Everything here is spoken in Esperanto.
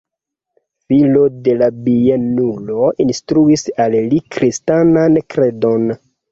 Filo de la bienulo instruis al li kristanan kredon.